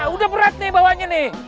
udah berat nih bawanya nih